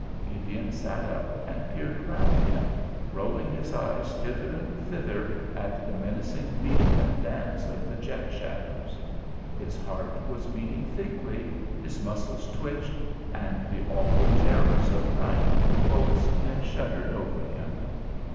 Gideon sat up and peered about him, rolling his eyes hither and thither at the menacing leap and dance of the jet shadows. His heart was beating thickly, his muscles twitched, and the awful terrors of night pulsed and shuddered over him.